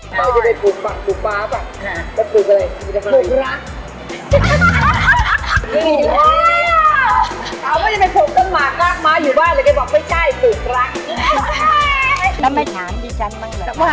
นี่คือเนี่ยว่าไงค่ะ